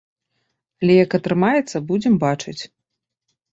Але як атрымаецца, будзем бачыць.